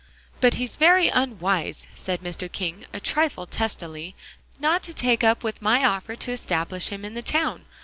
"But he's very unwise," said Mr. King a trifle testily, "not to take up with my offer to establish him in the town.